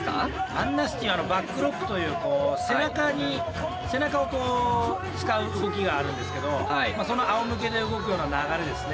ＡＮＮＡＳＴＹはバックロックという背中を使う動きがあるんですけどそのあおむけで動くような流れですね